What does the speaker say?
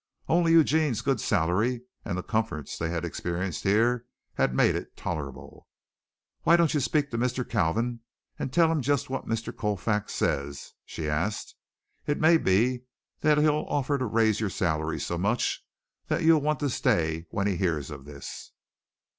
Only Eugene's good salary and the comforts they had experienced here had made it tolerable. "Why don't you speak to Mr. Kalvin and tell him just what Mr. Colfax says," she asked. "It may be that he'll offer to raise your salary so much that you'll want to stay when he hears of this."